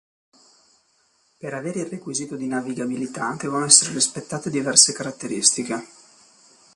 Per avere il requisito di navigabilità devono essere rispettate diverse caratteristiche.